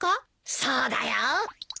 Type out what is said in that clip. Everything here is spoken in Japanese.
そうだよ。